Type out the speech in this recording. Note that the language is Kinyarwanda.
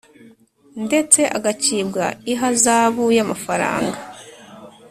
ndetse agacibwa ihazabu y’amafaranga ;